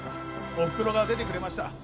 おふくろが出てくれました。